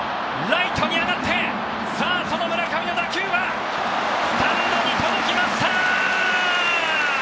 ライトに上がってその村上の打球はスタンドに届きました！